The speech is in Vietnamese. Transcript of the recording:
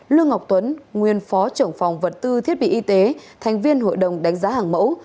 lương ngọc tuấn nguyên phó trưởng phòng vật tư thiết bị y tế thành viên hội đồng đánh giá hàng mẫu